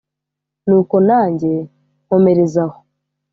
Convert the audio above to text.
nuko nange nkomereza aho